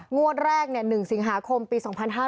งวดแรก๑สิงหาคมปี๒๕๕๙